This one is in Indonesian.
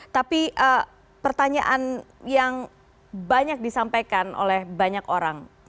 tapi pertanyaan yang banyak disampaikan oleh banyak orang